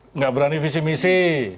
tidak berani visi misi